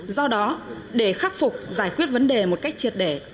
do đó để khắc phục giải quyết vấn đề một cách triệt để